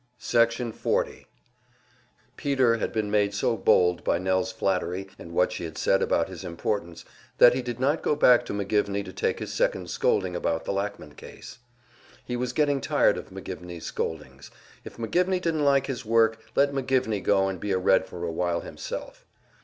Section 40 Peter had been made so bold by Nell's flattery and what she had said about his importance, that he did not go back to McGivney to take his second scolding about the Lackman case. He was getting tired of McGivney's scoldings; if McGivney didn't like his work, let McGivney go and be a Red for a while himself.